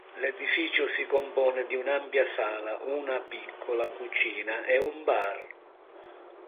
L'edificio si compone di un'ampia sala, una piccola cucina e un bar.